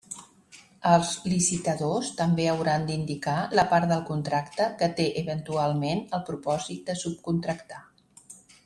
Els licitadors també hauran d'indicar la part del contracte que té eventualment el propòsit de subcontractar.